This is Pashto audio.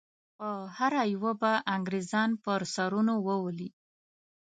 په هره یوه به انګریزان پر سرونو وولي.